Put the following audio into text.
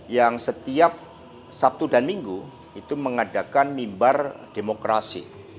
yang setiap sabtu dan minggu itu mengadakan mimbar demokrasi